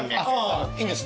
いいんです。